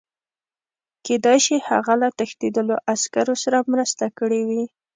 کېدای شي هغه له تښتېدلو عسکرو سره مرسته کړې وي